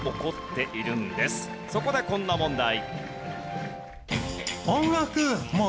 そこでこんな問題。